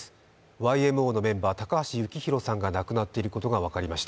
ＹＭＯのメンバー、高橋幸宏さんが亡くなっていることが分かりました。